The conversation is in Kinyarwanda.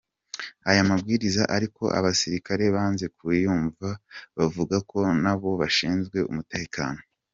Aya mabwiriza ariko abasirikare banze kuyumva bavuga ko nabo bashinzwe umutekano.